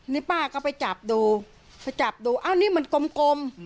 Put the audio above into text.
นี่ป้าก็ไปจับดูไปจับดูอ้าวนี่มันกลม